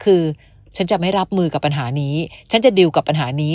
คือฉันจะไม่รับมือกับปัญหานี้ฉันจะดิวกับปัญหานี้